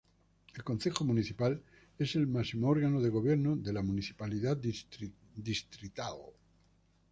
El Concejo Municipal es el máximo órgano de gobierno de la Municipalidad Distrital.